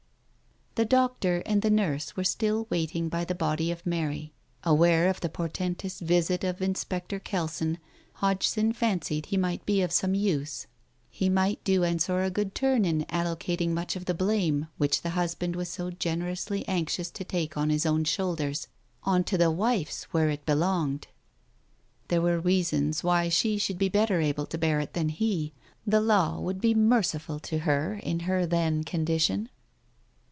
The doctor and the nurse were still waiting by the body of Mary. Aware of the portentous visit of In Digitized by Google 316 TALES OF THE UNEASY spector Kelson, Hodgson fancied he might be of some use. He might do Ensor a good turn in allocating much of the blame, which the husband was so generously anxious to take on his own shoulders, on to the wife's, where it belonged. There were reasons why she should be better able to bear it than he, the law would be merci ful to her in her then condition.